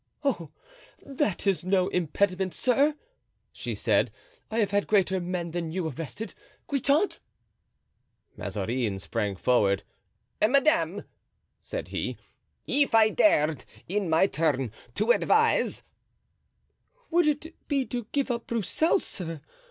"Oh! that is no impediment, sir," said she; "I have had greater men than you arrested—Guitant!" Mazarin sprang forward. "Madame," said he, "if I dared in my turn advise——" "Would it be to give up Broussel, sir?